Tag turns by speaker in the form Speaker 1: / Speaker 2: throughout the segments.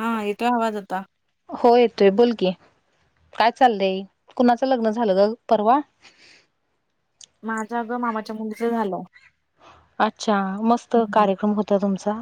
Speaker 1: हा येेतो आवाज आता
Speaker 2: हो येतोय बोल की काय चाललंय कुणाचं लग्न झालं ग परवा?
Speaker 1: माझं अ गं मामाच्या मुलीचं झालं
Speaker 2: अच्छा मस्त कार्यक्रम होता तुमचा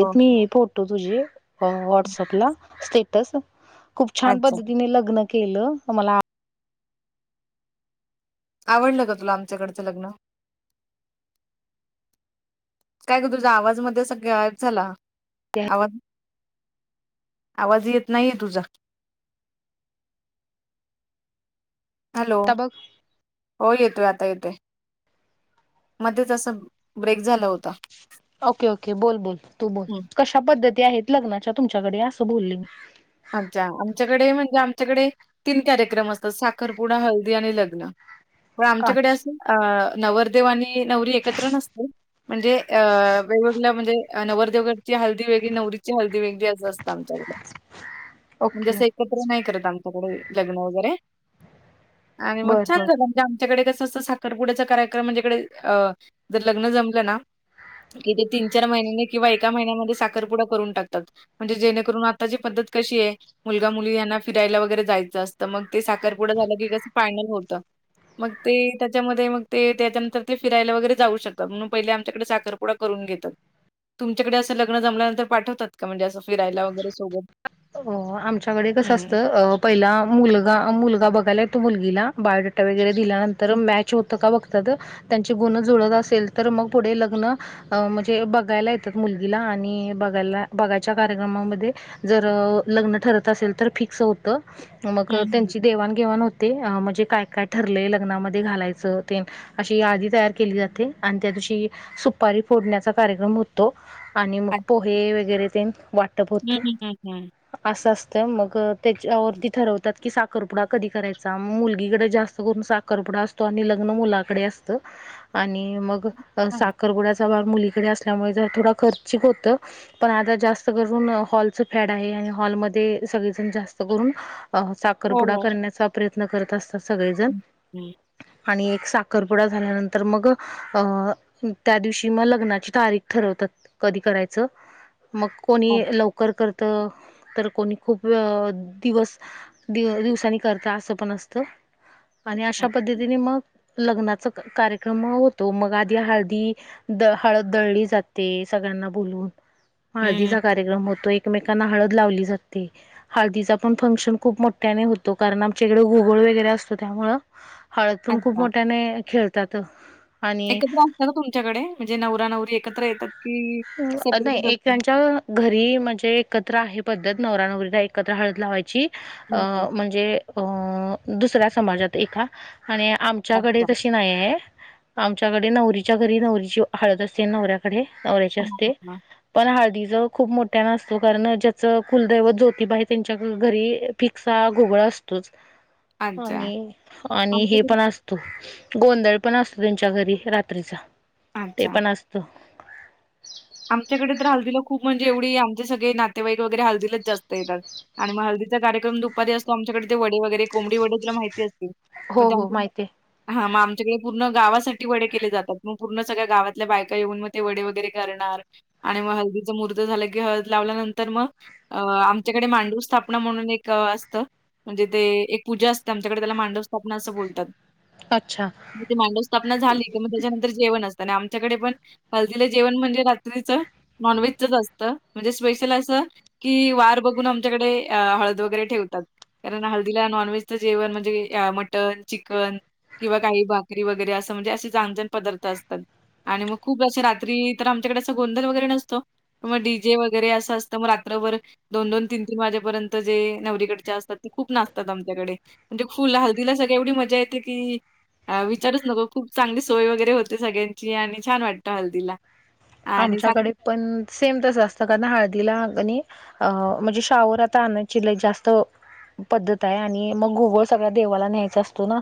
Speaker 1: हो
Speaker 2: मी फोटो तुझी वॉटसअपला स्टेटस खूप छान
Speaker 1: अच्छा
Speaker 2: पद्धतीने लग्न केलं मला आवडलं
Speaker 1: आवडलं का तुला आमच्याकडचं लग्न काय का तुझा आवाज मध्ये सगळं गायब झाला आवाज आवाज येत नाहीये तुझा हॅलो
Speaker 2: आता बघ
Speaker 1: हो येतोय आता येतोय मध्येच असं ब्रेक झाला होता.
Speaker 2: ओके ओके बोल बोल तू बोल कशा पद्धती आहेत लग्नाच्या तुमच्याकडे असं बोलली मी
Speaker 1: अच्छा आमच्याकडे म्हणजे आमच्याकडे तीन कार्यक्रम असतात साखरपुडा हळदी आणि लग्न पन आमच्याकडे असे
Speaker 2: अच्छा
Speaker 1: अ नवरदेव आणि नवरी एकत्र नसते म्हणजे अ वेगवेगळ्या म्हणजे नवरदेवगची हळदी वेगळी नवरीची हळदी वेगळी असं असतं आमच्याकडे
Speaker 2: ओके
Speaker 1: म्हणजेसं एकत्र नाही करत आमच्याकडे लग्न वगैरे आणि मग
Speaker 2: बर
Speaker 1: छान
Speaker 2: बर
Speaker 1: झाला म्हणे आमच्याकडे कसं असं साखरपुड्याचा कार्यक्रम म्हणजेकडे अ जर लग्न जमलं ना इथे तीन चार महिन्याने किंवा एका महिन्यामध्ये साखरपुडा करून टाकतात म्हणजे जेणेकरून आताची पद्धत कशी आहे मुलगा मुली यांना फिरायला वगैरे जायचं असतं मग ते साखरपुडं झालं की कसं फायनल होतं. मग ते त्याच्यामध्ये मग ते त्याच्यानंतर ते फिरायला वगैरे जाऊ शकतात म्हणून पहिले आमच्याकडे साखर ून घ तुमच्याकडे ल्न जमल्यांतर पाठवतात का म्हणजे असं फिरायलागरे स
Speaker 2: आमच्याकडे कस असतं पहिला मुलगा मुलगा बघायला. त मुलगीला बायोडेटा वगैरे दिल्यानंतर मॅच होतं का बघ. त्यांचे गुण जुळत असेल तर मग पुढे लग्न अ म्हणजे बघायला येतात मुलगीला आणि बघायला बघायच्या कार्यक्रमामध्ये जर लग्न ठरत असेल तर फिक्स होतं मग
Speaker 1: हं,
Speaker 2: त्यांची देवाणघेवाण होते ते म्हणजे काय काय ठरलंय लग्नामध्ये घालायचं तेन ते अशी यादी तयार केली जाते आणि त्या दिवशी सुपारी फोडण्याचा कार्यक्रम होतो आणि मग पोहे वगैरे ते वाट
Speaker 1: हम् हम् हम हम्-.
Speaker 2: असं असतं मग त्याच्यावरती ठरवतात की साख साखरपुडा कधी करायचा मुलगीकडे जास्त करून साखरपुडा असतो आणि लग्न मुलाकडे असत. आणि मग साखरपुडयाच ग मुलीकडे असल्यामुळे थोड खर्चिक होत पण आता जास्त करून हॉल फॅड आहे आणि हॉलमध्येध्ये सगळेजण जास्त करून अ साखरपुडा करण्याचा प्रयत्न करत असतात सगळेजण
Speaker 1: हं, हं.
Speaker 2: आणि एक साखरपुडा झाल्यानंतर मग अं त्या दिवशी मग लग्नाची तारीख ठरवतात कधी करायचं. मग कोणी
Speaker 1: अच्छा.
Speaker 2: लवकर करत तर कोणी अ खूप दिवस दिव दिवसांनी करता असं पण असत आणि
Speaker 1: हं,
Speaker 2: अशा पद्धतीने मग लग्नाचा कार्यक्रम होतो मग आधी हळदी द हळद दळली जाते सगळ्यांना बोलून
Speaker 1: हं. अच्छा. हं,
Speaker 2: हळदीचा कार्यक्रम होतो ये एकमेकांना हळद लावली जाते. हळदीचा पण फंक्शन खूप मोठ्याने होतो कारण आमच्या इकडे गुगळ वगैरे असतो त्यामुळ हळद पून खूप
Speaker 1: अच्छा.
Speaker 2: मोठ्याने खेळतात. आणि
Speaker 1: एकत्र असतात ना तुमच्याकडे म्हणजे नवरा नवरी एकत्र येतात. की
Speaker 2: नाही
Speaker 1: सेपरेटच असते?
Speaker 2: एकच्या घरी म्हणजे एकत्र आहे पद्धत नवरा नवररीला एकत्र हळद लावायची. अ
Speaker 1: हं, हं.
Speaker 2: म्हणजे अ दुसऱ्या समाजात एका आणि आमच्याकडे
Speaker 1: अच्छा.
Speaker 2: तशी नाही आह आमच्याकडे नवरीच्या घरी नवरीची हळद असते नवऱ्याकडे लावायची
Speaker 1: हां,
Speaker 2: असते.
Speaker 1: हां, हां.
Speaker 2: पण हळदीच खूप मोठ्या ना असतो कारण ज्याचं कुलदैवत ज्योतिबा आहे त्यांच्या घरी पिक्स हा गुगळ असतोच
Speaker 1: अच्छा.
Speaker 2: आणि आणि हे
Speaker 1: आमच्याकडे
Speaker 2: पण अस. गोंधळ पण असतो त्यांच्या घरी रात्रीचा ते
Speaker 1: अच्छा.
Speaker 2: पण असत. ह [inaudible]
Speaker 1: आमच्याकडे तर हाळदी ला खूप म्हणजे एवढी आमचे सगळे नातेवाईक वगैरे हळदीलाच जास्त येतात. आणि हल्दीचा कार्यक्रम दुपारी असतो आमच्याकडे ते वडे वगैरे कोंबडी वडे तुला माहिती असते.
Speaker 2: हो
Speaker 1: मदम
Speaker 2: हो
Speaker 1: त
Speaker 2: माहिती आहे
Speaker 1: हा मग आमच्याकडे पूर्ण गावासाठी वडे केले जातात मग पूर्ण सगळ्या गावातल्या बायका येऊन मग ते वडे वगैरे करण आणि मग हळदीच मूर्त झालं की हळद लावल्यानंतर मग अ आमच्याकडे मांडू स्थापना म्हणून एक असतं. म्हणजे ते एक पूजा असते आमच्याकडे त्याला मांडव स्थापना असं बोलतात.
Speaker 2: अच्छा
Speaker 1: मांडव स्थापना झाली क मग त्याच्यानंतर जेव असतात आणि आमच्याकडे पण हलदीले जेवण म्हणजे नॉनव्हेज च असत म्हणजे स्पेशल असं कि वार बघून आमच्याकडे हळद वगैरे ठेवतात. कारण हळदी ला नॉनव्हेजच जेवण म्हणजे मटन चिकन किंवा काही भाकरी वगैरे असं म्हणजे असे छान छान पदार्थ असतात. आणि मग खूप जं रात्री तर आमच्याकडे असं गोंधल वगैरे नसतो. मग डी जे वगैरे असं असतं मग रात्रभर दोन दोन तीन तीन वाजेपर्यंत जे नवरीकडच्या असतात ते खूप नाचतात आमच्याकडे म्हणजे फुल हळदीला सगळ्या एवढी मजा येते की विचारूच नको खूप चांगली सोय वगैरे होते सगळ्यांची आणि छान वाटतं हळदीला आणि
Speaker 2: आमच्याकडे पण सेम तसं असतं कारण हळदीला आणि अ म्हणजे शावर आता आणायची लय जास्त पद्धत आहे आणि मग घोबळ सगळ्या देवाला न्यायचा असतो ना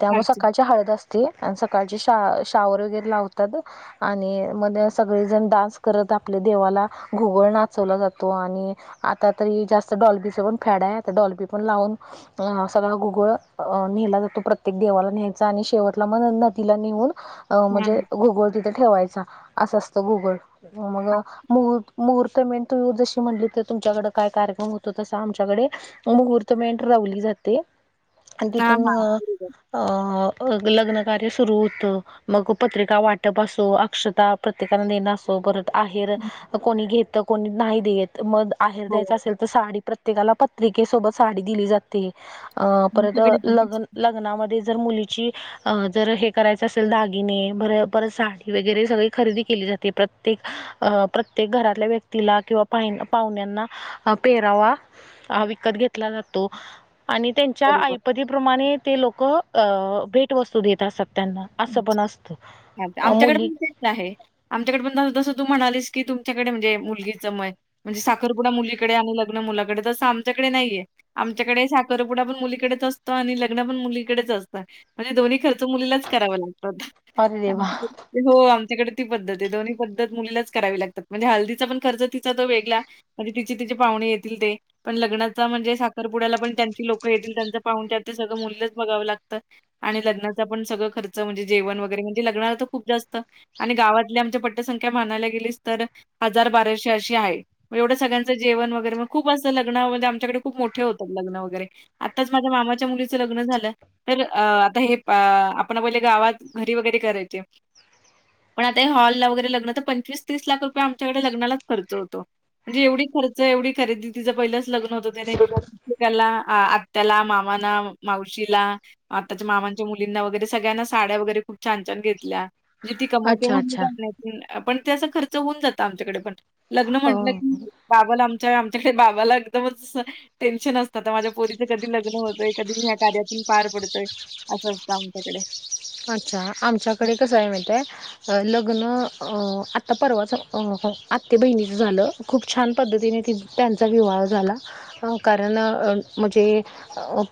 Speaker 2: त्यामुळे सकाळची हळद असत. आणि सकाळचे श शावर वगैरे लावतात आणि मध्ये सगळेजण डान्स करत आपल्या देवाला घोघळ नाचवला जातो आणि आता तरी जास्त डॉलबीच पण फेडा आहे डॉल्बी पण लावून अ सगळा गोगळ नेला जातो प्रत्येक देवाला न्यायचा आणि शेवटला मग नदीला नेऊन. म्हणजे गुगळ तिथे ठेवायचा असं असतं गुगळ मग
Speaker 1: हां, हां.
Speaker 2: म मुहूर्त मेड तू जशी म्हणली तर तुमच्याकडे काय कार्यक्रम होतो तसं आमच्याकडे मुहूर्त मेंट रावली जाते आणि
Speaker 1: हां,
Speaker 2: तिथून
Speaker 1: हां. बरोबर.
Speaker 2: अ लग्न कार्य सुरू होतं मग पत्रिका वाटप असो अक्षता प्र प्रत्येका न असतो परत आहेर
Speaker 1: हं.
Speaker 2: कोणी घेत कोणी नाही देत मग बाहेर द्यायच
Speaker 1: हो.
Speaker 2: असेल तर साडी प्रत्येकाला पत्रिकेसोबत साडी दिली जात परत
Speaker 1: तुमच्याकडे पण
Speaker 2: ल
Speaker 1: तसंच
Speaker 2: लग्नामध्ये जर मुलीची जर हे करायच असेल दागिने पर साडी वगैरे सगळे खरेदी केली जाते प्रत्येक अ प्रत्येक घरातल्या व्यक्तीला किंवा पा पाहुण्यांना पेरावा विकत घेतला जातो आणि त्यांच्या
Speaker 1: बरोबर.
Speaker 2: ऐपतीप्रमाणे ते लोक अ भेटवस्तू देत असात त्यांना असं
Speaker 1: हं.
Speaker 2: पण
Speaker 1: चालतं.
Speaker 2: असतं
Speaker 1: आमच्याकडे
Speaker 2: मुली
Speaker 1: पण तेच आहे आमच्याकडे पण जसं तू म्हणालीस की तुमच्याकडे म्हणजे मुलगीचं म म्हणजे साखरपुडा मुलीकडे आणि लग्न मुलाकडे तसं आमच्याकडे नाहीये आमच्याकडे साखरपुडा पण मुलीकडेच असतो आणि लग्न पण मुलीकडेच असतं म्हणजे दोन्ही खर्च मुलीलाच करावा लागतात
Speaker 2: अरे देवा
Speaker 1: हो आमच्याकडे ती पद्धत आहे दोन्ही पद्धत मुलीलाच करावी लागतात म्हणजे हलदीचा पण खर्च तिचा तो वेगळा म्हणजे तिचे तिचे पाहुणे येतील ते पण लग्नाचा म्हणजे साखरपुड्याला पण त्यांची लोकं येतील त्यांचं पाहुणचार ते सगळं मूलीलाच बघावं लागतं आणि लग्नाचा पण सगळं खर्च म्हणजे जेवण वगैरे म्हणजे लग्नाला तर खूप जास्त आणि गावातली आमची पट्टसंख्या म्हनायला गेलीस तर हजार बाराशे अशी आहे एवढं सगळ्यांचं जेवण वगैेग खूप असं लग्न आमच्याकडे खूप मोठं होतात लग्न वगैरे आताच माझ्या मामाच्या मुलीचं लग्न झालं तर आता हे पुन्हा बोलले गावात घरी वगैरे करायचे पम आता हे हॉला वगैरे लग्न तर पंचवीस तीस लाख रुपये आमच्याकडे लग्नालाच खर्च होतो म्हणजे एवढी खर्च एवढी खरेदी तिचं पहिलंच लग्न होतं त्याने आत्याला मामाना मावशीला आताच्या मामांच्या मुलींना वगैरे सगळ्यांना साड्या वगरे खूप छान छ घेतल्याणे ती कमवते
Speaker 2: अच्छा अच्छा
Speaker 1: म्हण ह पण ते अस खर्च होऊन जात आमच्याकडे पण लग्न
Speaker 2: अ
Speaker 1: म्हंटलं की बाबाला आमच्या आमच्याकडे बाबाला एकदमच टेन्शन अस आताः माझ्या पोरीचं कधी लग्न होतंय कधी मी कार्यातून पार पडतोय असं असतं आमच्याकडे
Speaker 2: अच्छा आमच्याकडे कसं आहे माहीताय लग्न आत्ता परवाचं आत्ते बहिणीचं झालं खूप छान पद्धतीने ती त्यांचा विवाह झाला. कारण म्हणजे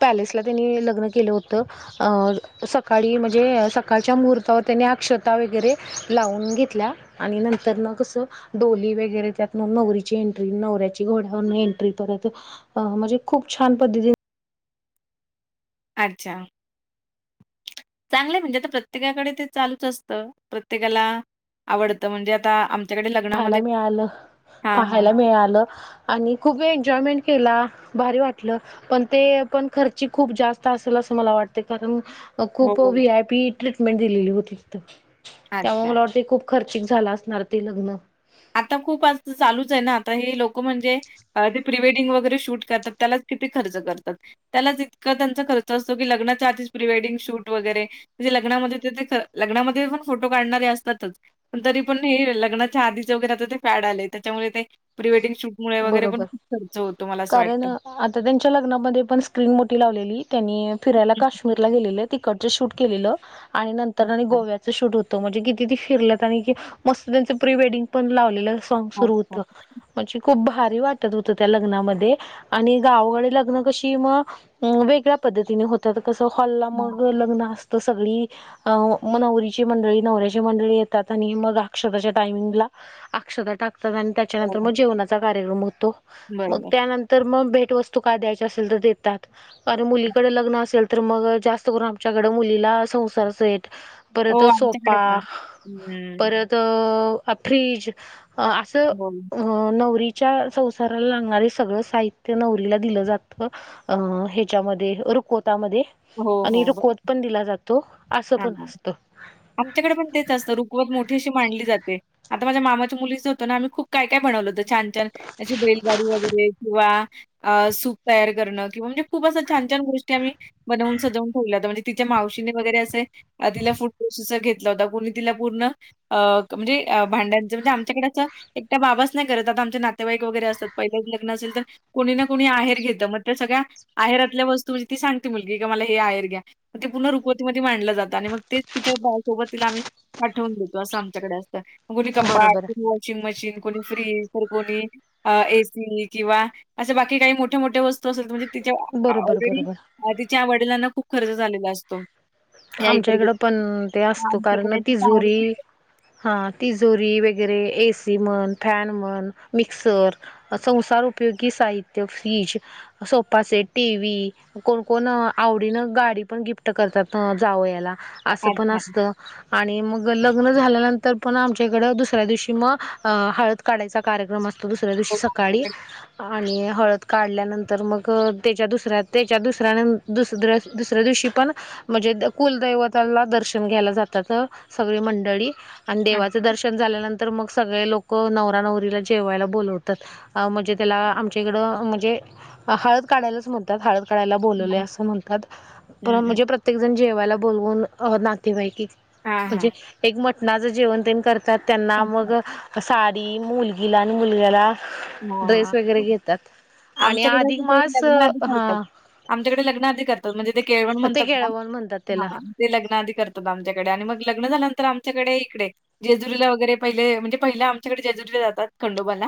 Speaker 2: पॅलेसला त्यांनी लग्न केलं होतं अ सकाळी म्ह जे सकाळच्या मुहूर्तावर त्यांनी अक्षता वगैरे लावून घेतल्या आणि नंतर कसं डोली वगैरे त्यातन नवरीची एंट्री नवऱ्याची घोड्यावर एंट्री परत अ म्हणजे खूप छान पद्धती
Speaker 1: अच्छा चांगलं म्हणजे आता प्रत्येकाकडे ते चालूच असतं प्रत्येकाला आडतं म्हणजे आता आम
Speaker 2: पाहायला मिळालं पाहायला
Speaker 1: हां.
Speaker 2: मिळालं आणि खूप एन्जॉयमेंट केला भारी वाटलं पण ते पण खर्ची खूप जास्त असेल असं मला वाटते कारण
Speaker 1: हो,
Speaker 2: खूप
Speaker 1: हो.
Speaker 2: व्ही आय पी ट्रीटमेंट दिलेली होती तिथ.... त्यामुळे
Speaker 1: अच्छा.
Speaker 2: मला वाटते खूप खर्चिक झाला असणार ते लग्न.
Speaker 1: आता खूप आज चालूच आहे. ना आता हे लोक म्हणजे ते प्रीवेडिंग वगैरे शूट करतात त्यालाच किती खर्च करतात त्यालाच इतकं त्यांचा खर्च असतो. की लग्नाच्या आधीच प्रीवेडिंग शूट वगैरे म्हणजे लग्नामध्ये ते लग्नामध्ये पण फोटो काढणारे असतातच. पण तरी पण हे लग्नाच्या आधी वगैर ते फॅड आले त्याच्यामुळे ते प्रीवेडिंग शूट मु वगैरे पण
Speaker 2: बरोबर
Speaker 1: खूप खर्च होतो. मला असं
Speaker 2: कारण
Speaker 1: वाटतं
Speaker 2: आता त्यांच्या लग्नामध्ये पण स्क्रीन मोठी लावलेली त्यांनी
Speaker 1: हं,
Speaker 2: फिरायला
Speaker 1: हं.
Speaker 2: काश्मीरला गेलेले. तिकडचं शूट केलेलं आणि नंतर आणि
Speaker 1: अच्छा.
Speaker 2: गोव्याचं शूट होत म्हणजे किती त फिरल्यात आणि की मस्त त्यांचं प्री वेडिंग पण लावलेलं सॉग सुरु
Speaker 1: अच्छा.
Speaker 2: होत. खूप भारी वाटत होत त्या लग्नामध्ये आणि गावाकडे लग्न कशी मग अं वेगळ्या पद्धतीने होतात कसं हॉलला
Speaker 1: हां.
Speaker 2: मग लग्न असतं सगळी अ मग नवरीची मंडळी नवऱ्याची मंडळी येतात. आणि मग अक्षताच्या टायमिंगला अक्षता टाकतात आणि
Speaker 1: हो.
Speaker 2: त्याच्यानंतर मग जेवणाचा कार्यक्रम होतो मग
Speaker 1: बरोबर.
Speaker 2: त्यानंतर तर मग भेटवस्तू काय द्यायची असेल तर देतात. कार मुलीकडे लग्न असेल तर मग जास्त करून आमच्याकड मुलीला संसाराच य
Speaker 1: हो
Speaker 2: परत
Speaker 1: आमच्याकडे
Speaker 2: सोफा
Speaker 1: पण. हं.
Speaker 2: परत फ्रीज अस
Speaker 1: हो.
Speaker 2: न संसाराला लागणारे सगळ साहित्य नवरीला दिलं जात अ ह्याच्यामध्ये रुखवत मध्ये
Speaker 1: हो,
Speaker 2: आणि
Speaker 1: हो.
Speaker 2: रुकवत पण दिला जातो असं
Speaker 1: हां,
Speaker 2: पण
Speaker 1: हां.
Speaker 2: असतं
Speaker 1: आमच्याकडे पण तेच असतं रुखवक मोठी अशी मांडली जाते आता माझ्या मामाच्या मुलीच होत ना आम्ही खूप काय काय बनवलं होत छानछान त्याची बैलगाडी वगैरे किंवा अ सूप तयार करणं किंवा म्हणजे खूप असं छान छान गोष्टी आम्ही बनवून सजवून ठेवलं म्हणजे तिच्या मावशीने वगैरे असे तिला फुटो घेतला होता कणी तिला पूर्ण अ म्हणजे भांड्यांचं म्हणजे आमच्याकडच एकट्या बाबाच नाही करत आता आमचे नातेवाईक वगैरे असतात पहिलंच लग्न असेल. तर कोणी ना कोणी आहेर घेतं मग त्या सगळ्या आहेरातल्या वस्तू म्हणजे ती सांगते मुलगी की मला हे आहेर घ्या म ते पुन रुकवतीमध्ये मांडलं जातो. आणि मग तेच तिच्या बासोबत तिला आम्ही आठवून देतो असं आमच्याकडे असत मगुणी कपपा
Speaker 2: बरोबर आहे.
Speaker 1: वॉशिंग मशीन कोणी फ्रीज तर कोणी अ एसी किंवा असशा बाकी काही मोठ्या मोठ्या वस्तू असेल म्हणजे तिच्या
Speaker 2: बरोबर
Speaker 1: ऑलरेडी
Speaker 2: बरोबर
Speaker 1: तिच्या वडिलांना खूप खर्च झालेला असतो. या
Speaker 2: आमच्या
Speaker 1: इतर
Speaker 2: इकडं
Speaker 1: गोष्टी
Speaker 2: पण ते असतो कारण
Speaker 1: आमच्याकडे असे पाहुणे
Speaker 2: तिजोरी. हा तिजोरी वगैरे ए. सी म्हण फॅन म्हण मिक्सर.. संसार उपयोगी साहित्य fridge. Sofa set, T. V कोणकण आवडीनं गाडी पण गिफ्ट करतात. जावाई याला असं पण
Speaker 1: अच्छा.
Speaker 2: असतं. आणि मग लग्न झाल्यानंतर पण आमच्याकडं दुसऱ्या दिवशी मग हळद. काढायचा कार्यक्रम असतो दुसऱ्या दिवशी
Speaker 1: हो,
Speaker 2: सकाळी
Speaker 1: आमच्याकडे
Speaker 2: आणि हळद काढल्यानंतर मग त्याच्या दुसऱ्या त्याच्या दुसऱ्यान दुसरा.. दुसऱ्या दिवशी पण म्हणजे कुलदैवताला दर्शन घ्यायला जातात. सगळी मंडळी. आणि
Speaker 1: अच्छा.
Speaker 2: देवाचं दर्शन झाल्यानंतर मग सगळे लोक नवरा नवरीला जेवायला बोलवतात. अ म्हणजे त्याला आमच्याकडं म्हणजे हळद काढायलाच म्हणत्यात. हळद काढायला बोलवलय अस म्हणतात.
Speaker 1: हं, हं.
Speaker 2: म्हणजे प्रे प्रत्येक जण जेवायला बोलवून नातेवाईक
Speaker 1: हां, हां.
Speaker 2: म्हणजे एक मटणाचं जेवण ते करतात त्यांना मग
Speaker 1: अच्छा.
Speaker 2: साडी मुलगीला आणि मुलग्याला
Speaker 1: हां,
Speaker 2: ड्रेस
Speaker 1: हां.
Speaker 2: वगैरे
Speaker 1: बरोबर.
Speaker 2: घेतात आणि
Speaker 1: आमच्याकडे
Speaker 2: अधिक
Speaker 1: असं ते
Speaker 2: मास
Speaker 1: लग्नाआधी करतात.
Speaker 2: हा..
Speaker 1: आमच्याकडे लग्न आधी करतात म्हणजे ते केळवण
Speaker 2: ते
Speaker 1: म्हणतात ना.
Speaker 2: केळवण म्हणतात त्याला
Speaker 1: हा! ते लग्न आधी करतात आमच्याकडे आणि मग लग्न झाल्यानंतर आमच्याकडे इकडे. जेजुरीला वगैरे पहिले म्हणजे पहिला आमच्याकडे जेजुरीला जातात खंडोबाला.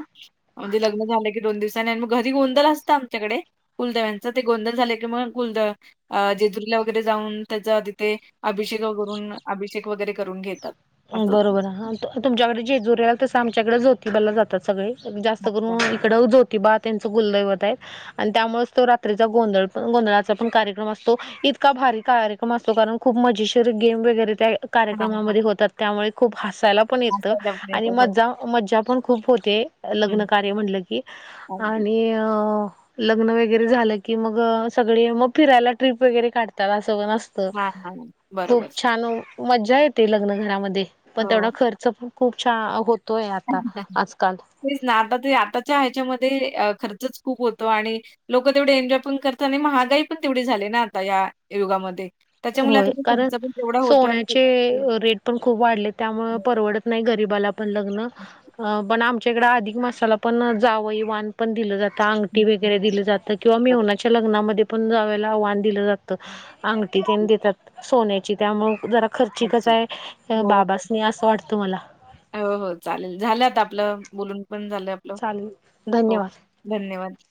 Speaker 1: म्हणजे लग्न झालं की दोन दिवसांनी आणि मग घरी गोंधल असतं आमच्याकडे. कुलदेव्यांच ते गोंधल झाले की मग कुलदेव जेजुरीला वगैरे जाऊन त्याच तिथे. अभिषेक वून अभिषेक वगैरे करून घेतात. असं होतं.
Speaker 2: बरोबर हा तुमच्याकडे जेजूरीला तसं आमच्याकडे ज्योतिबाला जातात सगळे जास्त
Speaker 1: हां,
Speaker 2: करून इकडं ज्योतीबा त्यांचं गुलदैवत आहेत. आणि त्यामुळेच तो रात्रीचा गोंधळ गोंधळाचा पण कार्यक्रम असतो. इतका भारी कार्यक्रम असतो कारण खूप मजेशीर गेम वगैरे त्या
Speaker 1: हां, हां.
Speaker 2: कार्यक्रमामध्ये होतात त्यामुळे खूप हसायला पण येत
Speaker 1: असा जमण्याचं
Speaker 2: आणि
Speaker 1: हो.
Speaker 2: मज्जा मज्जा पण खूप होते
Speaker 1: हं.
Speaker 2: लग्न कार्य म्हणलं की.
Speaker 1: अगदी.
Speaker 2: आणि अ लग्न वगैरे झालं की मग सगळे मग फिरायला ट्रिप वगैरे काढतात असं पण असत.
Speaker 1: हां, हां.
Speaker 2: खूप
Speaker 1: बरोबर.
Speaker 2: छान मज्जा येते लग्न घरामध्ये पण तेवढा
Speaker 1: हो.
Speaker 2: खर्च पण खूप छ होतो. येत आता आजकाल.
Speaker 1: तेच ना आता ते आताच्या ह्याच्यामध्ये खर्चच खूप होतो आणि लोक तेवढे एन्जॉय पण करता आणि महागाई पण तेवढी झाली ना आता या युगामध्ये. त्याच्यामुळे
Speaker 2: होय
Speaker 1: आता तो
Speaker 2: कारण
Speaker 1: खर्च पण तेवढा होतो आणि
Speaker 2: सोनचे रेट पण खूप वाढले त्यामुळे परवडत नाही गरीबाला पण लग्न. पण आमच्याकडे अधिक मसाला पण जावयवान पण दिलं जात. अंगटी वगैरे दिलं जात किंवा मेवनाच्या लग्नामध्ये पण जाला आव्हान दिलं जात आ ती ते देतात सोन्याची त्यामुळं जरा खर्चिकच
Speaker 1: अच्छा.
Speaker 2: आहे
Speaker 1: हो, हो.
Speaker 2: बाबासनी असं वाटतं मला.
Speaker 1: हो हो चालेल झाल्यात आपलं बोलून पण झालं. आपलं.
Speaker 2: चालेल
Speaker 1: हो.
Speaker 2: धन्यवाद.
Speaker 1: धन्यवाद.